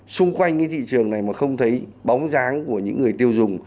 xung quanh cái thị trường này mà không thấy bóng dáng của những người tiêu dùng